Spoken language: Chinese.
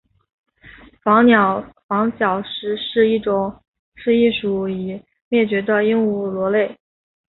房角石是一属已灭绝的鹦鹉螺类。